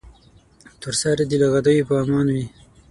تور سرې دې له غدیو په امان وي.